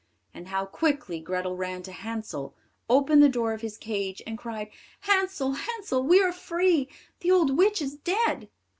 And how quickly Grethel ran to Hansel, opened the door of his cage, and cried, "Hansel, Hansel, we are free; the old witch is dead."